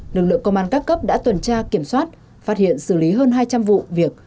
lực lượng công an các cấp đã tuần tra kiểm soát phát hiện xử lý hơn hai trăm linh vụ việc